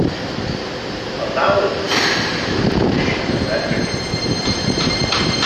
A vow of virginity was a condition of that victory.